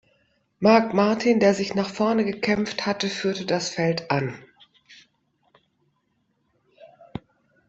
Mark Martin, der sich nach vorne gekämpft hatte, führte das Feld an.